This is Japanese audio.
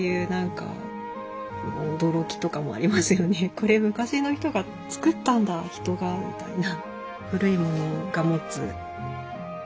これ昔の人が作ったんだ人がみたいな。